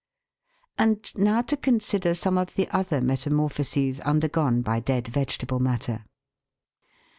And now to consider some of the other metamorphoses undergone by dead vegetable matter.